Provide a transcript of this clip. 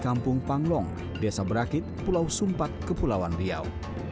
kampung panglong desa berakit pulau sumpat kepulauan riau